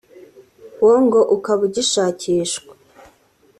wo ngo ukaba ugishakishwa